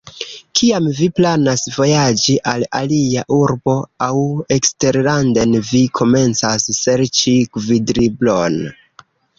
Kiam vi planas vojaĝi al alia urbo aŭ eksterlanden, vi komencas serĉi gvidlibron.